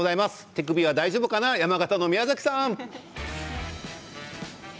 手首は大丈夫かな山形の宮崎さん。